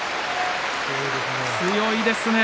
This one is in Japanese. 強いですね。